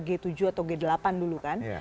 g tujuh atau g delapan dulu kan